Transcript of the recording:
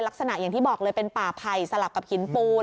อย่างที่บอกเลยเป็นป่าไผ่สลับกับหินปูน